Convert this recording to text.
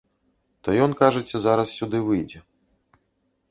То ён, кажаце, зараз сюды выйдзе.